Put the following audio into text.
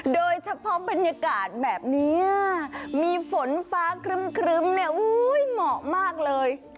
โดยเฉพาะบรรยากาศแบบนี้มีฝนฟ้าครึ่มหมอมากเลย